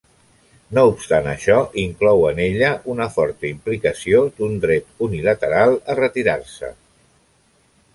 No obstant això, inclou en ella una forta implicació d'un dret unilateral a retirar-se.